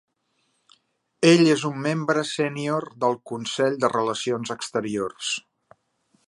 Ell és un membre sènior del Consell de Relacions Exteriors.